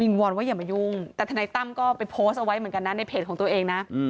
วอนว่าอย่ามายุ่งแต่ทนายตั้มก็ไปโพสต์เอาไว้เหมือนกันนะในเพจของตัวเองนะ